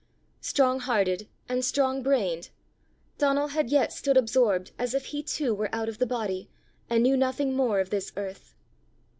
Strong hearted and strong brained, Donal had yet stood absorbed as if he too were out of the body, and knew nothing more of this earth.